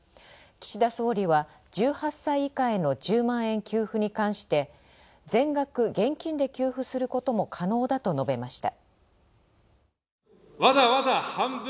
岸田総理は１８歳以下への１０万円給付に関して全額現金で給付することも可能だと述べました。